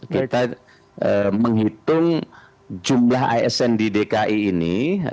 kita menghitung jumlah asn di dki ini